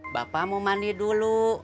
bapak mau mandi dulu